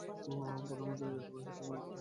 প্রধানমন্ত্রী জাতীয় পরিষদ থেকে নির্বাচিত হন।